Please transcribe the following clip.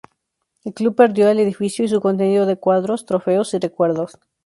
El Club perdió el edificio y su contenido de cuadros, trofeos y recuerdos.